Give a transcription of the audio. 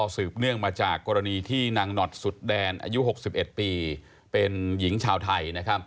เนื่องมาจากกรณีที่นางหนอดสุดแดนอายุ๖๑ปีเป็นหญิงชาวไทย